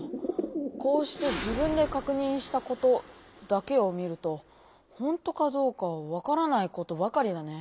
こうして自分で確認したことだけを見るとほんとかどうかは分からないことばかりだね。